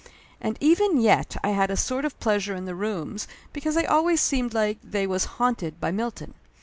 And even yet I had a sort of pleasure in the rooms because they always seemed like they was haunted by Milton.